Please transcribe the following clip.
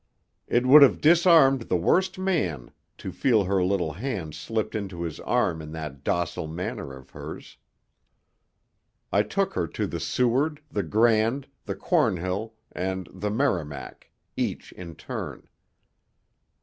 It would have disarmed the worst man to feel her little hand slipped into his arm in that docile manner of hers. I took her to the Seward, the Grand, the Cornhil, and the Merrimac each in turn.